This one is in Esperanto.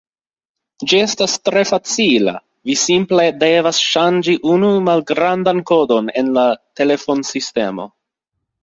Ĝi estas tre facila: vi simple devas ŝanĝi unu malgrandan kodon en la telefonsistemo.